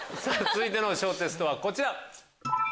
続いての小テストはこちら。